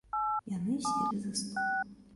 Яны селі за стол.